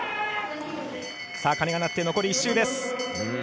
さあ、鐘が鳴って残り１周です。